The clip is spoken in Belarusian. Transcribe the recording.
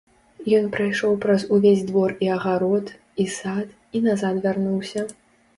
Ён прайшоў праз увесь двор і агарод, і сад і назад вярнуўся.